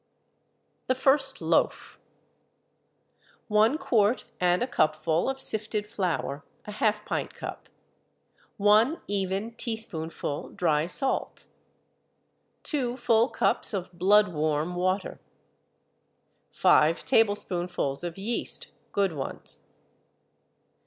THE FIRST LOAF. One quart and a cupful of sifted flour (a half pint cup) One even teaspoonful dry salt. Two full cups of blood warm water. Five tablespoonfuls of yeast (good ones).